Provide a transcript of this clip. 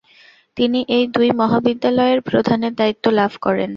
তিনি এই দুই মহাবিদ্যালয়ের প্রধানের দায়িত্ব লাভ করেন।